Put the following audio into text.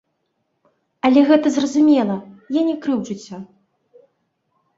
Але гэта зразумела, я не крыўджуся.